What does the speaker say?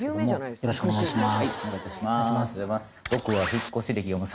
・よろしくお願いします